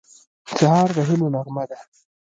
سهار د هیلو نغمه ده.